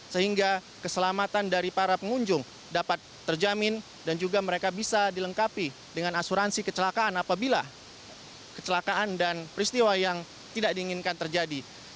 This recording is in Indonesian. sehingga keselamatan dari para pengunjung dapat terjamin dan juga mereka bisa dilengkapi dengan asuransi kecelakaan apabila kecelakaan dan peristiwa yang tidak diinginkan terjadi